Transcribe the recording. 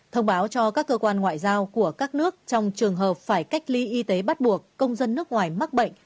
thông báo cho các cơ quan ngoại giao của các nước trong trường hợp phải cách ly y tế bắt buộc công dân nước ngoài mắc bệnh